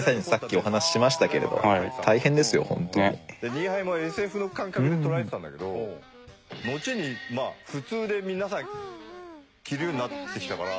ニーハイもＳＦの感覚で捉えてたんだけどのちに普通で皆さん着るようになってきたから。